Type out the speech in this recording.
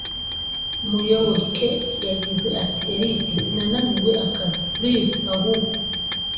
Muyoboke yagize ati “@Eric Sinananiwe akazi pliz ahubwo